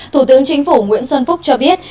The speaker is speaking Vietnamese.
thủ tướng chính phủ nguyễn xuân phúc cho biết